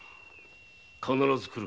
必ず来る。